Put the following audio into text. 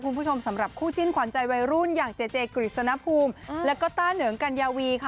คุณผู้ชมสำหรับคู่จิ้นขวัญใจวัยรุ่นอย่างเจเจกฤษณภูมิแล้วก็ต้าเหนิงกัญญาวีค่ะ